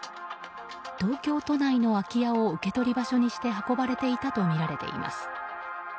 東京都内の空き家を受け取り場所にして運ばれていたとみられています。